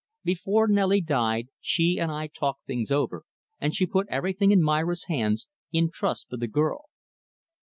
Before Nelly died, she and I talked things over, and she put everything in Myra's hands, in trust for the girl.